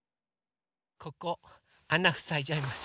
ここあなふさいじゃいます。